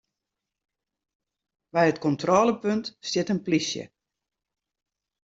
By it kontrôlepunt stiet in plysje.